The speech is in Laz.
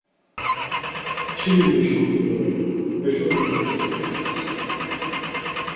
Çili muşi t̆u doren, heşo zop̌ons ya tkves.